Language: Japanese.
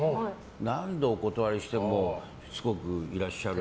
何度お断りしてもいらっしゃる。